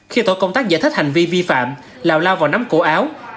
khi tổ công tác giải thích hành vi vi phạm lào lao vào nắm cổ áo